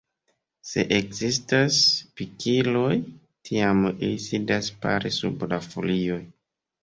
Se ekzistas pikiloj tiam ili sidas pare sub la folioj.